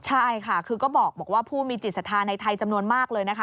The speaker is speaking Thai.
ใช่ค่ะคือก็บอกว่าผู้มีจิตศรัทธาในไทยจำนวนมากเลยนะคะ